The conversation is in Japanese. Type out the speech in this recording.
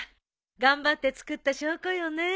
頑張って作った証拠よね。